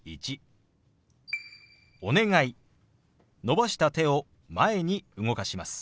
伸ばした手を前に動かします。